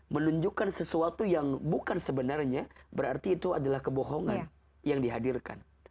menunjukkan sesuatu yang bukan sebenarnya berarti itu adalah kebohongan yang dihadirkan